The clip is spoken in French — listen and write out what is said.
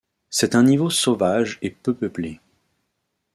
C’est un niveau sauvage et peu peuplé.